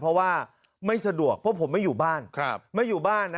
เก็บเงินปลายทาง๑๐๐